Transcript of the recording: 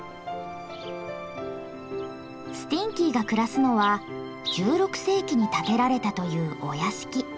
スティンキーが暮らすのは１６世紀に建てられたというお屋敷。